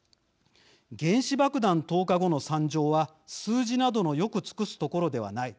原子爆弾投下後の惨状は数字などのよく尽くすところではない。